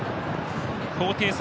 高低差